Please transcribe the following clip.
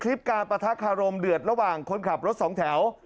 การปะทะคารมเดือดระหว่างคนขับรถสองแถว